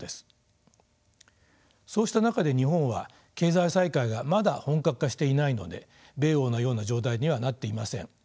そうした中で日本は経済再開がまだ本格化していないので米欧のような状態にはなっていません。